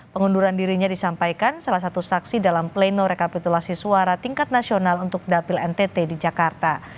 pengunduran dirinya disampaikan salah satu saksi dalam pleno rekapitulasi suara tingkat nasional untuk dapil ntt di jakarta